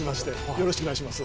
よろしくお願いします。